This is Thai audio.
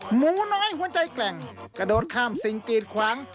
หนูน้อยหัวใจแกร่งกระโดดข้ามสิ่งกีดขวาง